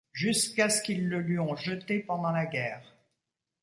Jusqu'à ce qu'ils le lui ont jeté pendant la guerre...